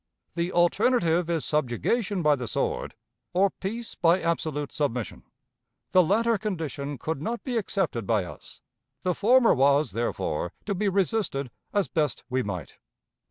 The alternative is subjugation by the sword, or peace by absolute submission. The latter condition could not be accepted by us. The former was, therefore, to be resisted as best we might.